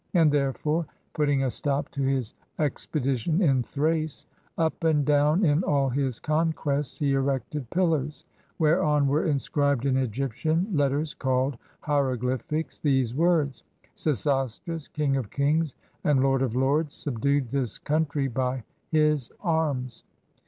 And, therefore, putting a stop to his ex pedition in Thrace, up and down in all his conquests, he erected pillars, whereon were inscribed in Egyptian letters called hieroglyphics these words: ''Sesostris, King of Kings and Lord of Lords, subdued this country by his arms."